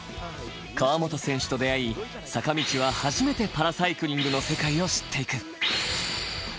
川本選手と出会い、坂道は初めてパラサイクリングの世界を知っていく。